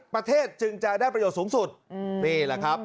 ประเทศจึงจะได้ประโยชน์สูงสุดนี่แหละครับ